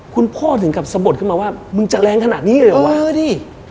คุณพ่อถึงกับสะบดขึ้นมาว่ามึงจะแรงขนาดนี้เลยเหรอวะเออดิ